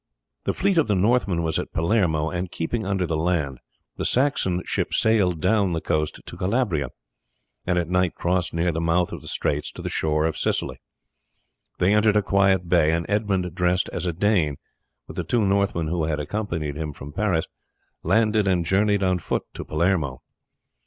The fleet of the Northmen was at Palermo, and keeping under the land, the Saxon ship sailed down the coast of Calabria, and at night crossed near the mouth of the straits to the shore of Sicily. They entered a quiet bay, and Edmund dressed as a Dane, with the two Northmen who had accompanied him from Paris, landed and journeyed on foot to Palermo.